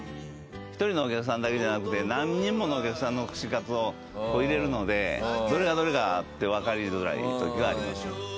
１人のお客さんだけじゃなくて何人ものお客さんの串かつを入れるのでどれがどれかってわかりづらい時があります。